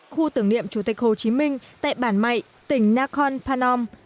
khu tưởng niệm chủ tịch hồ chí minh tại bản mạy tỉnh nakhon phanom